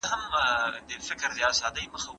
د ټولني ګټه تر شخصي ګټې کله ناکله مهمه ده.